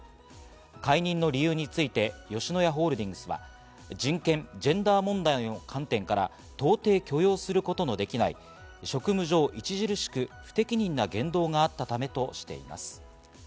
解任の理由について吉野家ホールディングスは、人権・ジェンダー問題の観点から到底許容することのできない職務上著しく不適任な言動があったためとしています。